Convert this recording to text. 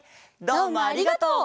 どうもありがとう！